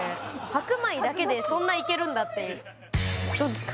白米だけでそんないけるんだっていうどうですか？